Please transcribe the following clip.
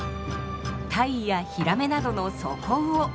タイやヒラメなどの底魚。